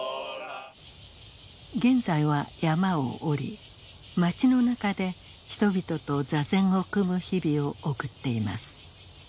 現在は山を下り街の中で人々と坐禅を組む日々を送っています。